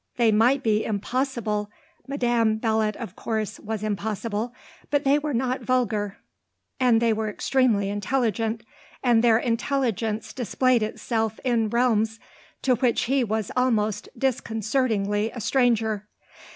They might be impossible, Madame Belot of course was impossible; but they were not vulgar and they were extremely intelligent, and their intelligence displayed itself in realms to which he was almost disconcertingly a stranger.